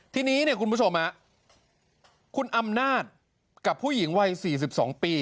ทีนี้เนี่ยคุณผู้ชมคุณอำนาจกับผู้หญิงวัย๔๒ปี